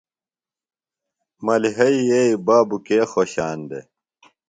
ملِیحئی یئیے بابوۡ کے خوۡشان دےۡ؟